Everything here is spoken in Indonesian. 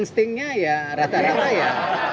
instingnya ya rata rata ya